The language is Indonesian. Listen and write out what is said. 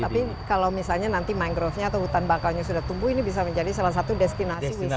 tapi kalau misalnya nanti mangrovenya atau hutan bakalnya sudah tumbuh ini bisa menjadi salah satu destinasi wisata